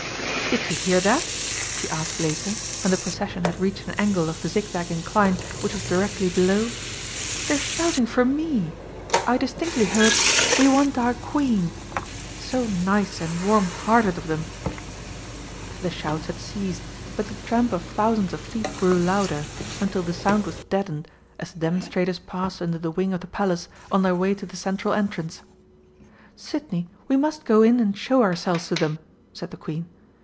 Did you hear that?" she asked later, when the procession had reached an angle of the zigzag incline which was directly below. "They're shouting for Me! I distinctly heard 'We want our Queen!' So nice and warm hearted of them!" The shouts had ceased, but the tramp of thousands of feet grew louder, until the sound was deadened as the demonstrators passed under the wing of the Palace on their way to the central entrance. "Sidney, we must go in and show ourselves to them," said the Queen.